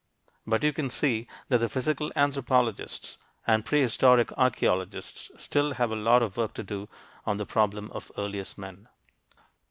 But you can see that the physical anthropologists and prehistoric archeologists still have a lot of work to do on the problem of earliest men.